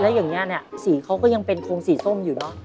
และอย่างนี้สีเขาก็ยังเป็นโครงสีส้มอยู่นะ